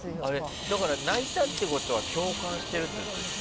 だから泣いたってことは共感してるってことでしょ？